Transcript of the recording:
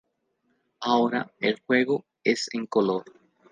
Ahora el juego es en color.